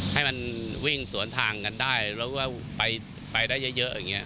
ให้มันวิ่งสวนทางกันได้แล้วก็ไปที่ได้เยอะ